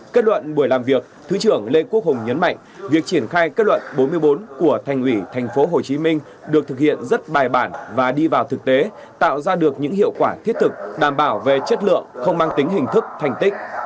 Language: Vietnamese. kết luận buổi làm việc thứ trưởng lê quốc hùng nhấn mạnh việc triển khai kết luận bốn mươi bốn của thành ủy tp hcm được thực hiện rất bài bản và đi vào thực tế tạo ra được những hiệu quả thiết thực đảm bảo về chất lượng không mang tính hình thức thành tích